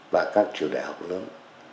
và các triều đại học lớn